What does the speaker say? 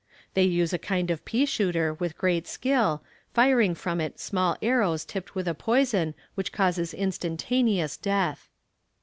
They use a kind of pea shooter with great skill, firing from it small arrows tipped with a poison which causes instantaneous death.